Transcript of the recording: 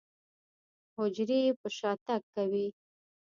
حجرې يې په شاتګ کوي.